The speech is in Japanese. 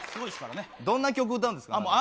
どんな曲歌うんですか。